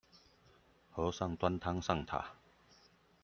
和尚端湯上塔